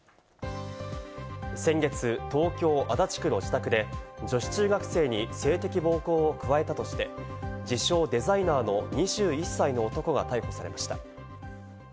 先月、東京・足立区の自宅で女子中学生に性的暴行を加えたとして、自称・デザイナーの２１歳の男が逮捕されました。